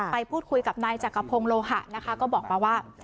ไปพูดคุยกับนายจักรพงศ์โลหะนะคะก็บอกมาว่า